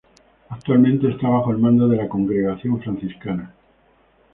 Actualmente está bajo el mando de la congregación Franciscana.